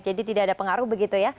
jadi tidak ada pengaruh begitu ya